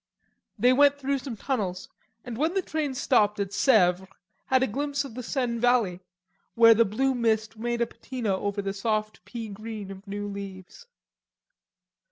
They went through some tunnels, and when the train stopped at Sevres, had a glimpse of the Seine valley, where the blue mist made a patina over the soft pea green of new leaves.